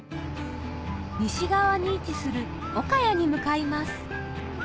西側に位置する岡谷に向かいます